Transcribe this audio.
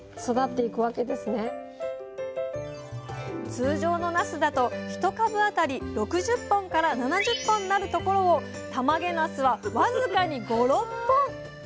通常のなすだと１株当たり６０本から７０本なるところをたまげなすは僅かに５６本。